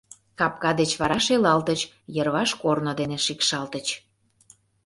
Капка деч вара шелалтыч, йырваш корно дене шикшалтыч...